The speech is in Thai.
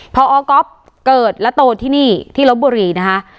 พอก๊อฟเกิดและโตที่นี่ที่ลบบุรีนะคะ